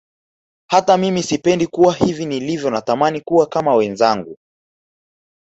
Hata mimi sipendi kuwa hivi nilivyo natamani kuwa kama wenzangu